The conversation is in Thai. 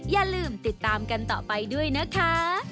อย่าลืมติดตามกันต่อไปด้วยนะคะ